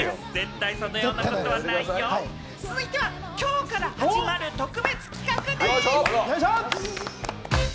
続いては今日から始まる特別企画でぃす！